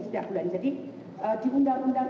setiap bulan jadi di undang undang